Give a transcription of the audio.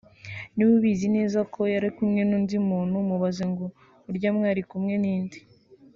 Niba ubizi neza ko yari ari kumwe n’undi muntu mubaze ngo ujwo mwari kumwe ni nde